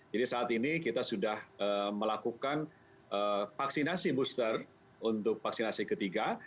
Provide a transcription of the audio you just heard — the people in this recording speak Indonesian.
jadi saat ini kita sudah melakukan vaksinasi booster untuk vaksinasi ketiga